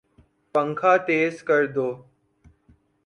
پنکھا تیز کردو